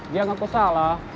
dia ngaku salah